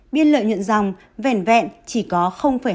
biên lợi nhuận dòng vẹn vẹn chỉ có hai mươi bốn